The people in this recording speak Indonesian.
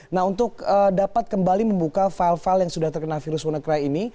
nah untuk dapat kembali membuka file file yang sudah terkena virus wannacry ini